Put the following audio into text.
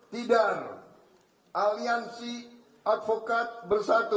tidak aliansi advokat bersatu